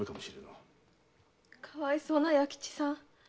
かわいそうな弥吉さん。